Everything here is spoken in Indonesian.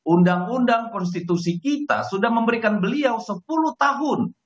undang undang konstitusi kita sudah memberikan beliau sepuluh tahun